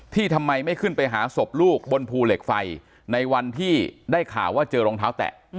ทำไมไม่ขึ้นไปหาศพลูกบนภูเหล็กไฟในวันที่ได้ข่าวว่าเจอรองเท้าแตะ